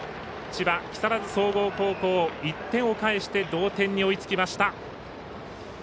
千葉、木更津総合高校１点を返して同点に追いつきました。